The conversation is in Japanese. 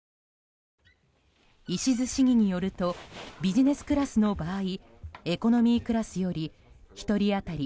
石須市議によるとビジネスクラスの場合エコノミークラスより１人当たり